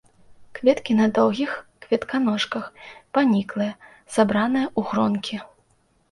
Кветкі на доўгіх кветаножках, паніклыя, сабраныя ў гронкі.